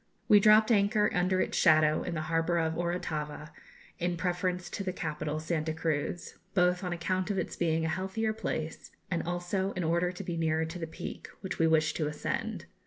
We dropped anchor under its shadow in the harbour of Orotava in preference to the capital, Santa Cruz, both on account of its being a healthier place, and also in order to be nearer to the Peak, which we wished to ascend.